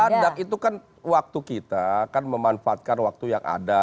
mendadak itu kan waktu kita kan memanfaatkan waktu yang ada